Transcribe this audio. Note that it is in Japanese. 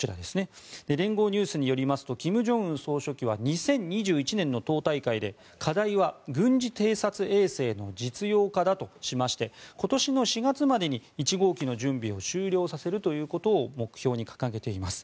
連合ニュースによりますと金正恩総書記は２０２１年の党大会で課題は軍事偵察衛星の実用化だとしまして今年の４月までに１号機の準備を終了させるということを目標に掲げています。